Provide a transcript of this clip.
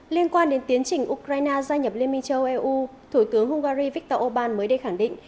liên quan đến tiến trình ukraine gia nhập liên minh châu âu eu thủ tướng hungary viktor orbán mới đây khẳng định